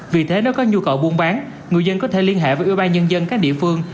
vì thế nếu có nhu cầu buôn bán người dân có thể liên hệ với ủy ban nhân dân các địa phương